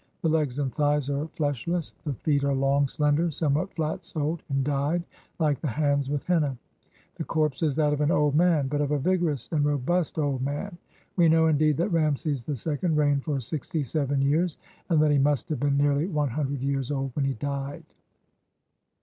The legs and thighs are fleshless; the feet are long, slender, somewhat flat soled, and dyed, like the hands, with henna. The corpse is that of an old man, but of a vigorous and robust old man. We know, indeed, that Rameses II reigned for sixty seven years, and that he must have been nearly one hundred years old when he died."